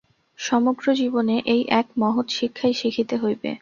সমগ্র জীবনে এই এক মহৎ শিক্ষাই শিখিতে হইবে।